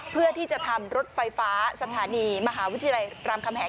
เพื่อที่จะทำรถไฟฟ้าสถานีมหาวิทยาลัยรามคำแหง